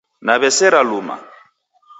Naw'esera luma